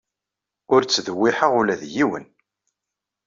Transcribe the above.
Ur ttdewwiḥeɣ ula d yiwen.